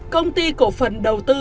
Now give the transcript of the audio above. công ty cổ phần đầu tư